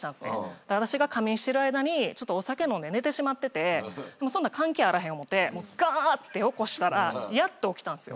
私が仮眠してる間にちょっとお酒飲んで寝てしまっててそんなん関係あらへん思てガーッて起こしたらやっと起きたんすよ。